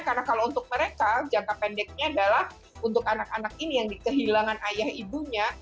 karena kalau untuk mereka jangka pendeknya adalah untuk anak anak ini yang di kehilangan ayah ibunya